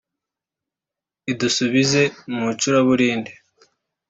idusubize mu icuraburindi